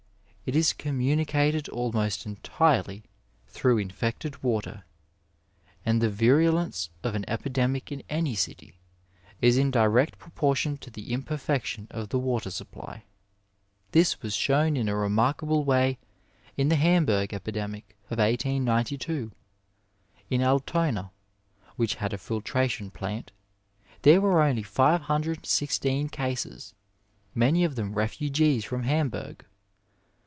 It is communicated almost entirely through in fected water, and the virulence of an epidemic in any city is in direct proportion to the imperfection of the water supply. This was shown in a remarkable way in the Hamburg epidemic of 1892. In Altona, which had a filtra tion plant, there were only five hundred and sixteen cases, many of them refugees from Hamburg.